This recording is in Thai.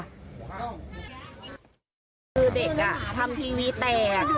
คือเด็กทำทีวีแตก